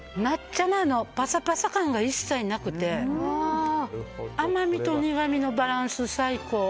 抹茶なの、パサパサ感が一切なくて甘みと苦みのバランス最高。